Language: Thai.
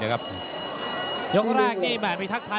เข้าหน้าแล้วกัี่